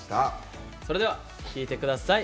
それでは聴いてください。